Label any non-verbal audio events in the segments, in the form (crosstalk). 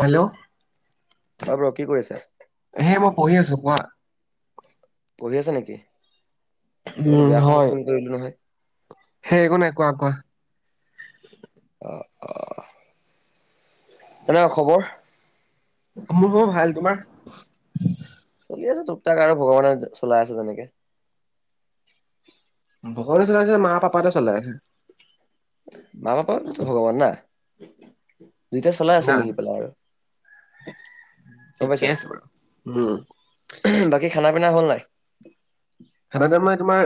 Hello অই bro কি কৰি আছা? সে, মই পঢ়ি আছো, কোৱা পঢ়ি আছা নেকি, কেৱলে উম বেয়া সময়ত হয়। ফোন কৰিলো নহয় সেই একো নাই, কোৱা-কোৱা অ, কেনে খবৰ? মোৰ বৰ ভাল, তোমাৰ এই তুক-তাক আৰু ভগৱানে চলাই আছে যেনেকে। ভগৱানে চলাই আছে নে, মা-পাপা হতে চলাই আছে মা-পাপাতো ভগৱান না। দুয়োটাই চলাই আছে মিলি পেলাই আৰু গম ঠিকে পাইছা আছে বাৰু, উম খানা-পিনা হ'ল নাই? সাধাৰণতে মই তোমাৰ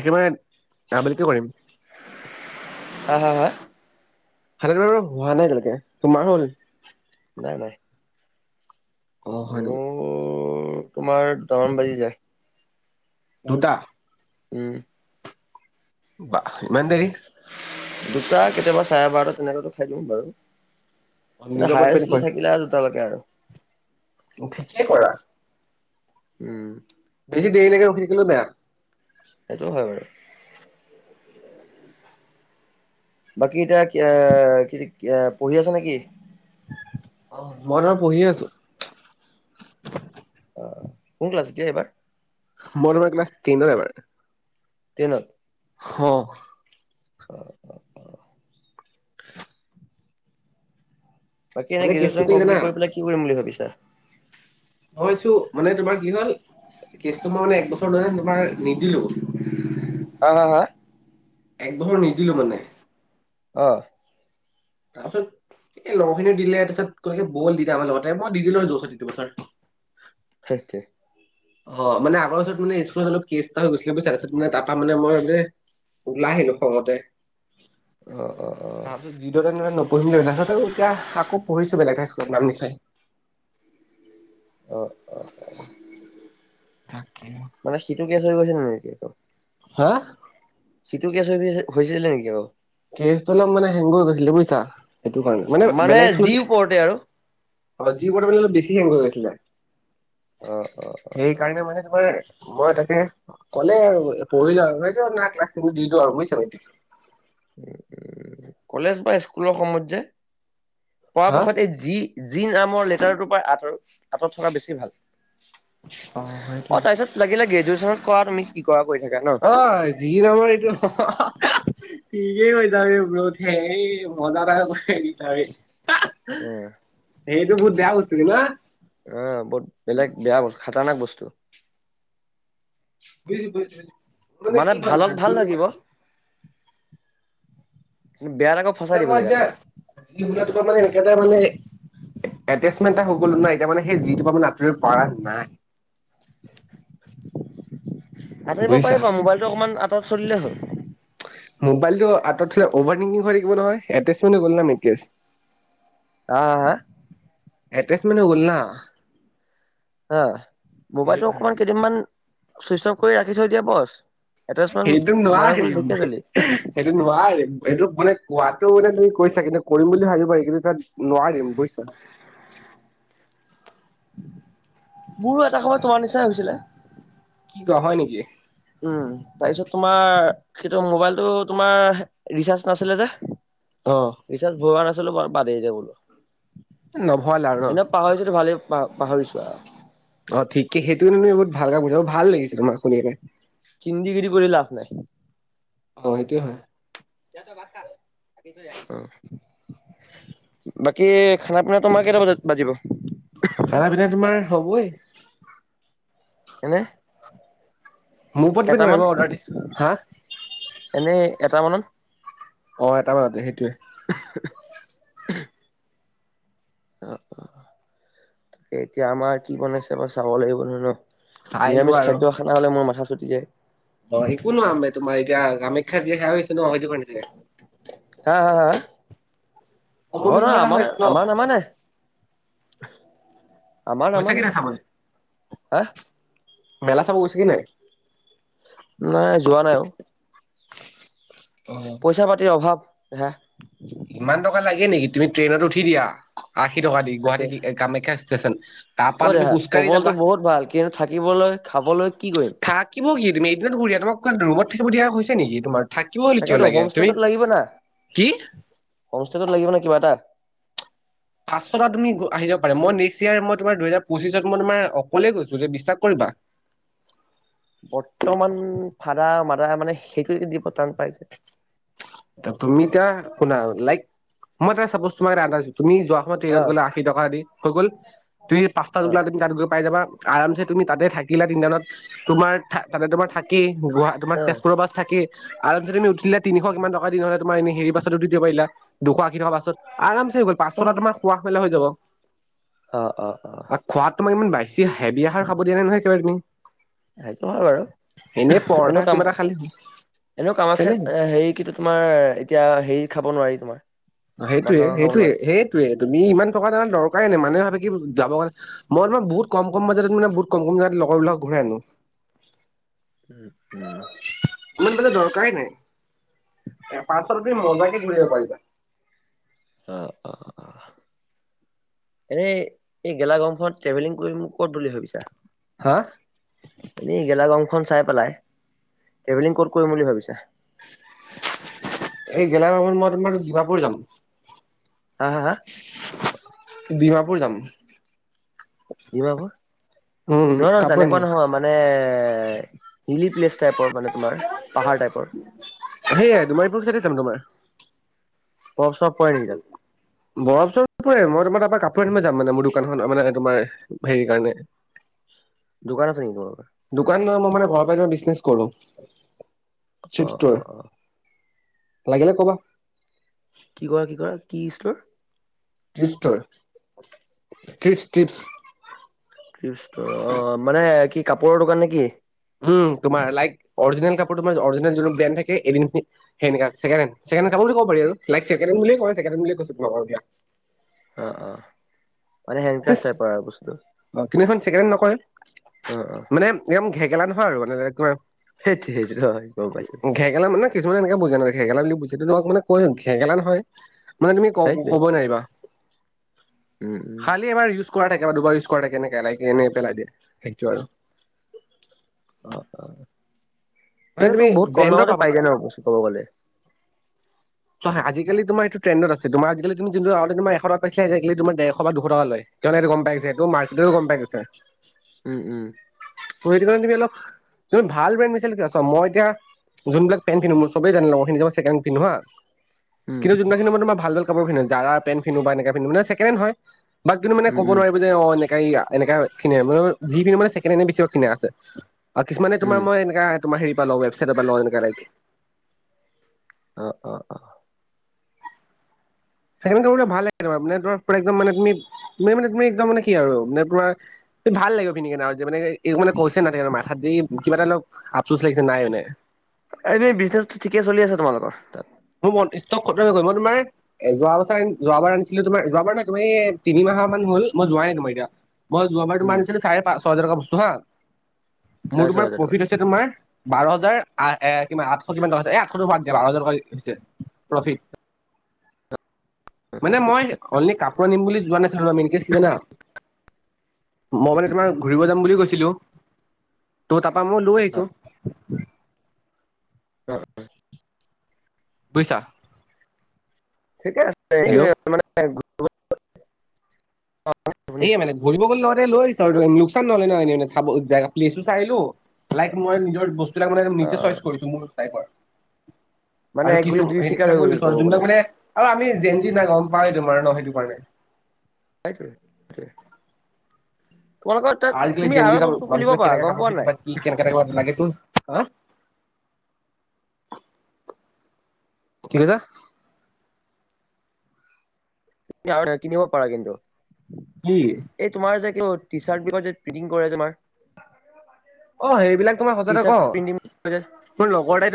একেবাৰে আবেলিটো কৰিম। আহ, হা-হা হাধ (unintelligible) হোৱা নাই তেনেকে, তোমাৰ হ'ল? নাই-নাই অহ, হয় নেকি উম তোমাৰ দহান বাজি যায়। দুটা উম বা ইমান দেৰি দুটা কেতিয়াবা চাৰে বাৰটা তেনেকাতে খাই দিম বাৰু এ নিজৰ ওপৰত ডিপেণ্ড হায়চলি কৰে থাকিলে আৰু দুটালৈকে আৰু ঠিকেই কৰা উম বেছি দেৰিলৈকে শুই থাকিলও বেয়া সেইটো হয় বাৰু বাকী এতিয়া এ কি পঢ়ি আছ নেকি অ মই তোমাৰ পঢ়িয়ে আছো অহ কোন ক্লাছ কি এইবাৰ মই তোমাৰ ক্লাছ টেনৰ এবাৰ টেনত অহ উম উম উ বাকী এনে মানে কেছটো গ্ৰেজুৱেচন কি জানা কমপ্লিট কৰি পেলাই কি কৰিম বুলি ভাবিছা হৈছো মানে তোমাৰ কি হল কেচ তো মানে এক বছৰ ধৰি তোমাৰ নিদিলো হা হা হা এক বখৰ নিদিলো মানে অ তাৰপিছত এই লগৰখিনি দিলে তাৰপিছত গতিকে বল দি দে আমাৰ লগতে মই দি দিলো জছত সিটোবছৰ সেইটোৱে অ মানে আগৰ ওচৰত মানে স্কুল অলপ কেছ এটা হৈ গৈছিলে তাৰপিছত মানে তাৰ পৰা মানে মই মানে ওলাই আহিলো খঙতে অ অ অ তাৰ পিছত যিদৰে তেনে নপঢ়িম বুলি ভাৱিছিলো দেখাত এতিয়া আকৌ পঢ়িছো বেলেগে স্কুলত নাম লিখে অহ অ তাকে মানে সিটো কেছ হৈ গৈছে নেকি আকৌ হা সিটো কেছ হৈ হৈছিলে নেকি বাৰু কেজটো অলপ মানে হেংগ হৈ গৈছিলে বুইছা সেইটো কাৰণে মানে বেলেগ স্কুল যি (unintelligible) ওপৰতে আৰু অ যি ব বেল বেছি হয় গৈ আছিলে (unintelligible) অ অ সেই কাৰণে মানে তোমাৰ মই তাকে ক'লে আৰু পঢ়িলো আৰু বুজিছ না ক্লাছ ট দিলো আৰু বুজিছা এতিয়া (unintelligible) উ কলেজ বা স্কুলৰ সময়ত যে হা? পৰাপক্ষত এই যি (unintelligible) যি নামৰ লেটাৰটোৰ পৰা আঁতৰ আঁতৰত থকা বেছি ভাল অ তাৰপিছত লাগিলে গ্ৰেজুৱেচনত কৰা তুমি কি (unintelligible) ন অ যি নমাৰ এইটো (unintelligible) ঠিকেই হৈ যওঁথেই ৰতে মজা এটা যওঁথেই (unintelligible) অ সেইটো বহুত বেয়া বস্তু ন আহ বহুত বেলেগ বেয়া বস্ত খাতনাক বস্তু (unintelligible) বুজু মানে কি ভালত কৰজ ভাল (unintelligible) লাগিব (unintelligible) বেয়াত আকৌ মানে ফচাই দিব মই জেগাতে এতিয়া উল মানে এনেকাটা মানে (unintelligible) এটেচমেণ্ট এটা হৈ গল নয় এতিয়া মানে সেই যিটো পৰা মানে আঁতৰিব পৰা নাই (inaudible) আঁতৰিব বুজিছা? পাৰিব মোবাইলটো অকমান আঁতৰত চলিলেই হ'ল (unintelligible) মোবাইলটো আঁতৰত থলে অভাৰংকিং হৈ থাকিব নহয় এটচ ম গল ন নেকজ (unintelligible) আহ হা এড্ৰেছ মানে গ'ল না হ মোবাইলটো অকমান সেইকাৰণে। কেইদিনমান চুইচ অফ কৰি ৰাখি থৈ দিয়া বছ এটাচমেণ্ট সেইটো মাৰা গ'ল নোৱাৰিম ঢেকীয়াজুলি সেইটো নোৱাৰিম এইটো মানে কোৱাত মানে তুমি কৈছা কিন্তু কৰিম বুলি ভাবিব পাৰি কিন্তু তাত নোৱাৰিম বুজিছা (unintelligible) মোৰো এটা সময়ৰ তোমাৰ নিচাই হৈছিলে (unintelligible) কি ক হয় নেকি উম তাৰপিছত তোমাৰ সেটো মোবাইলটো তোমাৰ ৰিচাৰ্জ নাছিলে যে অ (unintelligible) ৰিচাচ (unintelligible) ভৰুৱা নাচিলো হ বৰ বাদে য নভল আৰু ন বলো এনে পাহৰিছোতো ভালেই প পাহৰিছো আৰু (unintelligible) অ ঠিকে সেইটোকেই বহুত ভালকৈ বুজা ভাল লাগিছিল তোমাক শুনি (unintelligible) কিন্দিগিৰি কৰি লাভ নাই (unintelligible) অ সেটোয়ে হয় বাকি খানা পিনা তোমাৰ কেইটা বজাত বাজিব (unintelligible) খানা পিনা তোমাৰ হ'বই এনেই মোৰ ওপৰত দিবি নোৱাৰিব অৰ্ডাৰ দি হা (unintelligible) এনেই এটামানত অ এটা মানতে সেইটোয়ে (inaudible) অ অ তাকে এতিয়া আমাৰ কি বনাইছে বাৰ চাব লাগিব নহয় ন চাই (unintelligible) লোৱা নিৰামিষ আৰু খাদ্য খানা হলে মোৰ মাথা চুটি যায় (unintelligible) অ এই কোন নো আম তোমাৰ এতিয়া কামাখ্যা যেতিয়া খেয়া হৈছে ন দোকান চাগে (unintelligible) (unintelligible) হা হা হা নহয় অম্বুবাচী নহয় মেলা আমাৰ হৈ আছে ন আমাৰ নামানে আমাৰ গৈছা কি নামানে নাই চাবলে হা মেলা চাব গৈছা কি নাই যোৱা নাই আৰু নাই অ পইচা পাতিৰ অভাৱ হে ইমান টকা লাগে নেকি তুমি ট্ৰেইনত উঠি দিয়া আশী টকা দি তাকে গুৱাহাটী কামাখ্যা (unintelligible) ষ্টেচন। তাৰ পৰা অ তুমি দেহাত খোজকাঢ়ি কবলতো যাবা বহুত ভাল কিন্তু থাকিবলৈ খাবলৈ কি কৰিম (unintelligible) থাকিব কি তুমি এইদিন ঘ দা তম ৰুত থাকিব দিয়া হৈছে নেগি তোমাৰ (unintelligible) থাকিব বুলি কিয় তাকেতো লাগে হোম তুমি কি? কমষ্টেটত লাগিব নে কিবা এটা। পাঁচ কা তুমি আহিব প মই নে্সট ইয়াৰ মই তাৰ দুহোৰ পঁচিছত মই তোমাৰ অকলে গৈ যে বিশ্বাস। বাহ্। বৰ্তমান ফাদাৰ মাদাৰ মানে সেইটো দ প তান ত তুমি তেওঁ কুনা লাইক মই ত সাপ'জ তোমাক ৰান্ধা তুমি যোৱা সময় অ ট্ৰেইনত গ'লে আশী টকা দি হৈ গ'ল তুমি পাঁচটাত অ গলা তুমি তাত গৈ পাই যাবা আৰামছে তুমি তাতে থাকিলা তিনি দানত তোমাৰ তাতে তোমাৰ থাকি গ তোমাৰ তেজপুৰৰ বাছ থাকি। তুমি উঠিলে তিনিশ কিমান টকা দি নহলে তোৰ এনে হেৰি বাছতো দি দিব পাৰিলা দুশ ৰাকি থকা পাছত আম চে হৈ গল পাছত তোমাৰ খুৱাহ মেলা হৈ যাব। অঁ অঁ অঁ। তোক ইমান বাইছ হেভি আহাৰ খাব দিয়া নহয়েইবাৰ তু। সেইতটো হয় এনেই বাৰু পৰঠা এনে কাম। কিবা এটা খালি এনে কেনেকে কামাখ্যাত হেৰি কি তোমাৰ এতিয়া হেৰি খাব নোৱাৰি তোমাৰ মাছ সেইটোৱেই, মাংস খাব সেইটোৱেই, নোৱাৰি সেইটোৱেই তুমি ইমান টকা এ দৰকাৰ--' ইনে মানুহে ভাবে কি যাবণে মই ম বহুত কম কম বাজাৰ মান বহুত কম কম বজ লগৰ লগত ঘূৰাই আনো। উম। ইমান বলে দৰকাৰাই নাই এ পালপ মজাকে ঘূৰিব পাৰিবা। অঁ অঁ অঁ। এনে এই গেলা গৰমখনত ট্ৰেভেলিং কৰিম কত বুলি ভাবিছা? হা এনেই গেলা গৰম খন চাই পেলাই ট্ৰেভেলিং কত কৰিম বুলি ভাবিছা? এই গেলা গৰমত মই তোমাৰ ডিমাপুৰ যাম। হাঁ হাঁ হাঁ? ডিমাপুৰ যাম। ডিমাপুৰ? উম নহয় নহয় কাপোৰ তেনেকুৱা আনিব নহব মানে এ হিলী প্লেচ টাইপৰ মানে তোমাৰ। পাহাৰ টাইপৰ। সেইয়াই ডিমাপুৰ ছাইডতে যাম তোমাৰ। বৰফ চৰফ পৰে নেকি তাত? বৰফ, চৰফ নপৰে মই তোমাৰ তাৰ পৰা কাপোৰ আনিব যাম মানে মোৰ দোকানখনৰ মানে তোমাৰ হেৰিৰ কাৰণে দোকান আছে নেকি তোমাৰ? দোকান নহয় মানে ঘৰৰ মই তোমাৰ বিজনেছ কৰো। চিপ অঁ ষ্টৰ অঁ অঁ। লাগিলে ক'বা। কি কৰা কি কৰা কি ষ্টৰ? ট্ৰিপ ষ্টৰ, ট্ৰিছ ট্ৰিপছ। ট্ৰিপছ ষ্টৰ অঁ মানে, কি কাপোৰৰ দোকান নে কি? উম তোমাৰ লাইক অৰিজিনেল কাপোৰ তোমাৰ অৰিজিনেল যোনটো ব্ৰেণ্ড থাকে এডিছ, সেনেকা ছেকেণ্ড হেণ্ড। ছেকেণ্ড হেণ্ড, কাপোৰ বুলি ক'ব পাৰি আৰু লাইক ছেকেণ্ড হেণ্ড বুলিয়ে কয় ছেকেণ্ড হেণ্ড বুলিয়ে কৈছো লগৰ বিলাক অঁ অঁ। কিন্তু এইখন ছেকেণ্ড হেণ্ড, নকয়। অ অ মানে একদম ঘেগেলা নহয় আৰু মানে একেবাৰে সেইটো সেইটো হয় গম পাইছো ঘেকেলা মানে কিছুমান এনেকে বুজে নহয়। ঘেগেলা বুলি জোনটো তোমাক মানে কয় ঘেগেলা নহয় মানে তুমি সেইটোৱে ক'ব নোৱাৰিবা। উম উম। খালি এবাৰ ইউজ কৰা থাকে। এবাৰ দুবাৰ ইউজ কৰা থাকে কেনেকে এনেই পেলাই দিয়ে সেইটো আৰু। অঁ অঁ। মানে তেন্তে তুমি তোৰ বহুত কম ব্ৰেণ্ডৰ দামতে পাবা পাই যায় ন বস্তুবোৰ কব গ'লে? চোৱা হা আজিকালি তোমাৰ এইটোৰ ট্ৰেন্ডত আছে, তোমাৰ আজি কালি যোনটো এশ টকাত পাইছিলা এক্জেকলী ডেৰশ বা দুশ টকা লয়। গম পাই গৈছে এইটো মাৰ্কেটতো গম পাই গৈছে। উম উম। ত সেইটো কাৰণে তুমি অলপ তুমি ভাল ব্ৰেণ্ড বিছাৰিলে কি হয় চোৱা মই এতিয়া যোনবিলাক পেট পিন্ধো মই চবেই জানে লগৰখিনিও যানে মই ছেকেণ্ড হেণ্ড পন্ধো হা। উম, কিন্তু যোনদিনাখনি মই তোৰ ভাল ভাল কাপোৰ পিন্ধো জাৰা পেণ্ট পিন্ধো বা এনেকা পিন্ধো ছেকেণ্ড হেণ্ড হয়। বা কিন্তু মানে উম, ক'ব উম, নোৱাৰিব যে অ এনেকা ই এনেকা কিনে মানে যিখিনি মানে ছেকেণ্ড হেণ্ডে বেছি ভাগ কিনা আছে আৰু কিছুমানে তোমাৰ উম, মই এনেকা তোমাৰ হেৰি পৰা‌ লওঁ ৱেবছাইটৰ পৰা লওঁ এনেকা ডাইৰেক্ট। অ অ অ। ছেকেণ্ড হেণ্ড কাপোৰ বিলাক ভাল আহে কেতিয়াবা মানে তোমাৰ পোৰা একদম মানে তুমি তুমি মানে তুমি একদম কি আৰু মানে পোৰা ভাল লাগিব পিন্ধিকিনে আৰু যে মানে মানে কৈছে না ত মাথাত যে কিবা এটা অলপ আপচোচ লাগিছে নাই মানে। এনেই বিজনেছটো ঠিকে চলি আছে তোমালোকৰ তাত? মোৰ মন ষ্টক খতম হৈ গল, মই তোমাৰ এ যোৱা বছৰ যোৱাবাৰ আনিছিলো তোমাৰ যোৱাবাৰ নাই তুমি তিনি মাহ মাহ মান হ'ল মই যোৱাই নাই মই এতিয়া। মই যোৱাবাৰ তোমাৰ উম, আনিছিলো চাৰে পাঁচ ছয় হাজাৰৰ টকা বস্তু হাঁ। মোৰ চাৰে ছয় তোমাৰ হাজাৰ টকাৰ প্ৰফিট হৈছে তোমাৰ বাৰ হাজাৰ আহ কিমান আঠশ কিমান টকা হৈছে এ আঠশ টো বাদ দিয়া বাৰ হাজাৰ টকা হৈছে প্ৰফিত মানে মই অনলি কাপোৰ কাপোৰ আনিম বুলি যোৱা নাছিলোঁ আমি ইনকেছ কি জানা। মই মানে তোমাৰ ঘূৰিব যাম বুলি গৈছিলো ত তাৰপৰা মই লৈ আহিছোঁ। অঁ অঁ। বৈছা ঠিকে আছে এই মানে এ শুনিছিলোঁ। মানে ঘূৰিব গলে লওতে লৈছ আহিছোঁ লোকচান নহলে ন এনে চাব জা প্লেচো চাই আহিলোঁ লাইক অ', মই নিজৰ বস্তুবিলাক মানে নিজে অ', চইচ কৰিছো মোৰ টাইপৰ মানে আৰু এক কিছু গুলিত দুই সে চিকাৰ কিয় হৈ গ'ল পিছত ক'ব গ'লে যোনবাক মানে আৰু আমি জেনজি নাই গম বাই ন তোমাৰ ন সেইটো কাৰণে সেইটোৱে সেইটোৱে তোমালোকৰ তাত আজিকালি তুমি আৰু গেনজি কাপোৰ বস্তু খুলিব বানিছুৱেত পাৰা কেনেকে গম কাপোৰ পোৱা পিন্ধি নাই বা কি কেনেকুৱা কাপোৰ কি কেনে টাইপৰ লাগে তোৰ হা কি কলা কিনিব পাৰা কিন্তু কি এই তোমাৰ যে টি চাৰ্ট বিগৰ যে ফিটিং কৰে তোমাৰ অ সেইবিলাক তোমাৰ টি সচাতে ক চাৰ্ট প্ৰিন্টিং কৰে যে মোৰ লগৰ এটাই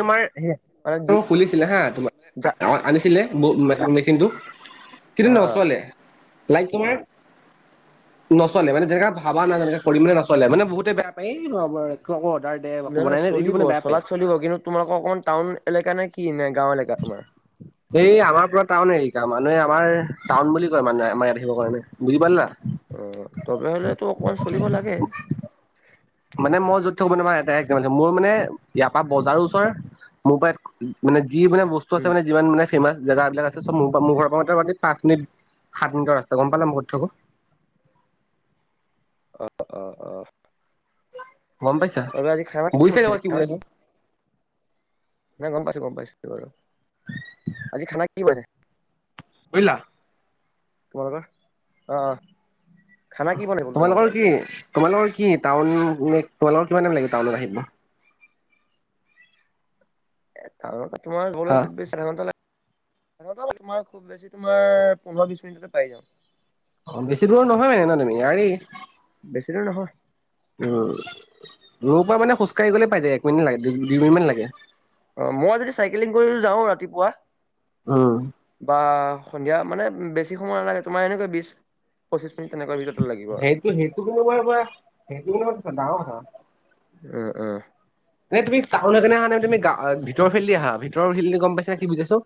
মানে যি তোমাৰ খুলিছিলে হা যা তোমাৰ আনিছিলে মেচিনটো কিন্তু অ', অ'। নচলে লাইক তোমাৰ নচলে মানে যেনেকা ভাবা যায় যেনেকৈ কৰিম নচলে মানে বহুতে বেয়া পায় অৰ্ডাৰ দে আকৌ নাই নাই বনাই নে এইটো চলিব মানে বেয়া পায়। চলাত চলিব কিন্তু তোমালোকৰ অকমান টাউন এলেকা নে কি ন এইই আমাৰ পৰা টাউন এৰিকা মানুহে আমাৰ টাউন বুলি কয় মানুহে আমাৰ ইয়াত আহিব কাৰণে বুজি পালি না অ তবে হলেতো অকমান চলিব লাগে মানে মই য'ত থকো (unintelligible) এই দাৰেক এ মোৰ মানে ইয়াৰ পৰা বজাৰৰ ওচৰ মোৰ পৰা এয়াত মানে যি মানে বস্তু উম, আছে মানে যিমান মানে ফেমাচ জেগা বিলাক আছে চব মোৰ মোৰ ঘৰ পৰা মোটামোটি পাঁচ মিনিট সাত মিনিটৰ ৰাস্তা গম পালা মই কত থাকো অ অ অ গম পাইছা বুজিছে নে মই বনাইছে কি খানা? বুজাই আছো নাই গম পাইছো গম পাইছো বাৰু আজি খানা কি বনাইছে বুজিলা তোমালোকৰ অ অ খানা কি বনাই বোলো তোমালোকৰ আজি? কি তোমালোকৰ কি টাউনলে তোমালোকৰ কিমান টাইম লাগিব টাউনত আহিব টাউনৰ পৰা তোমাৰ ঘৰলে হা খুব বেছি আধাঘণ্টা লাগে। (unintelligible) তোমাৰ খুব বেছি তোমাৰ পোন্ধৰ বিছ মিনিটতে পাই যাওঁ। অ' বেছি দূৰৰ নহয় মানে ন তুমি ইয়াৰেই। বেছি দূৰ নহয় উম, মোৰ পৰা মানে খোজকাঢ়ি গলে পাই যায় এক মিনিট লাগে দু - দুই মিনিট মান লাগে। অ' মই যদি চাইকেলিং কৰি যাওঁ ৰাতিপুৱা, উম বা সন্ধিয়া মানে বেছি সময় নালাগে তোমাৰ এনেকৈ বিছ পঁচিছ। সেইটো - সেইটো কিন্তু (unintelligible) ডাঙৰ কথা। উ উ। নে তুমি টাউন পিনে আহা নে তুমি গা ভিতৰ ফেলেদি আহা ভিতৰফেলদি গম পাইছা নে কি বুজাইছোঁ?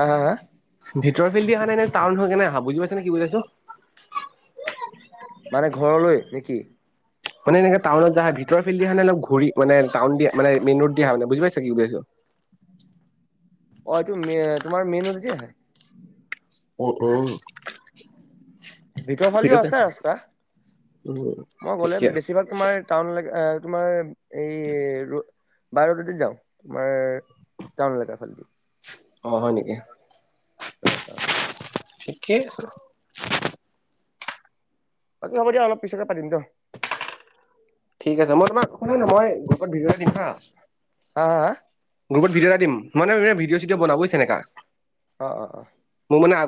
আ হা হা? ভিতৰৰ ফেলদি আহা নেনে টাউন হৈ কেনে আহা? বুজি পাইছা নে কি বুজাইছোঁ? মানে ঘৰলৈ নে কি? মানে এনেকে টাউনত যে আহে, ভিতৰৰ ফেলদি আহা নেনে ঘুৰি মানে টাউন দি মানে মেইন ৰোড দি আহা বুজি পাইছা কি বুজাইছো? অ' এইটো মে তোমাৰ মেইন ৰোড দি আহে। উ উম। ভিতৰ ফালদিও আছে ৰাস্তা উম মই গ'লে ঠিকে বেছিভাগ তোমাৰ টাউন লৈকে অ তোমাৰ এই ৰ - বাই ৰডেদি যাওঁ তোমাৰ টাউন এলেকা ফাল দি। অ' হয় নেকি? অ' অ'। থিকে আছে। বাকী হ'ব দিয়া অলপ পিছতে পাতিম দ। ঠিক আছে মই তোমাক শুনা না মই গ্ৰুপত ভিডিঅ' এটা দিম হা। হা হা হা? গ্ৰুপত ভিডিঅ' এটা দিম মানে (unintelligible) ভিডিঅ' চিডিঅ' বনাব (unintelligible) অ' অ' অ'।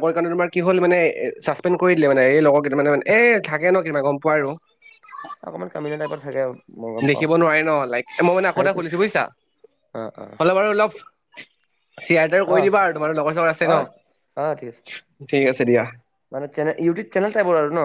কয় কাৰণে তোমাৰ কি হল মানে চাচপেণ্ড কৰি দিলে মানে এই লগৰ কেটামানে মানে এ থাকে ন কিবা গম পোৱা আৰু। অকণমান কামিনা টাইপত থাকে মই গম পাওঁ দেখিব নোৱাৰে ন' লাইক মই মানে আকৌ এটা সেইটো খুলিছোঁ বুইছা? অ'। অ হ'লে বাৰু অলপ চেয়াৰ তেয়াৰ অ কৰি দিবা আৰু তোমাৰো লগৰ চগৰ আছে অ ন'। অ' ঠিক আছে। ঠিক আছে দিয়া মানে তেনে - ইউটিউব চেনেল টাইপৰ আৰু ন?